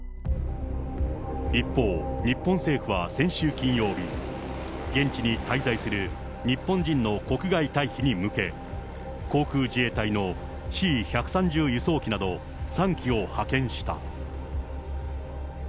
一方、日本政府は先週金曜日、現地に滞在する日本人の国外退避に向け、航空自衛隊のＣ１３０輸送機など３機を派遣した。